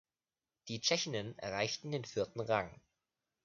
Die Tschechinnen erreichten den vierten Rang.